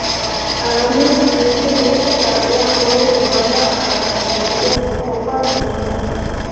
Al año siguiente esta carrera fue elevada a la categoría de Copa del Mundo.